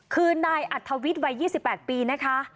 คือนายอัธวิทย์วัย๒๘ปีนะคะ